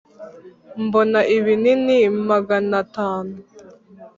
Mbona ibinini magana atanu